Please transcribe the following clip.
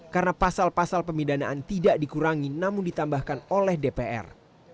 karena pasal pasal pemidanaan tidak dikurangi namun ditambahkan oleh dpr